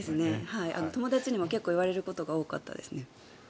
友達にも結構言われることが多かったです。